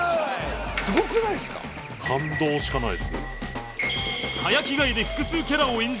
感動しかないですねもう。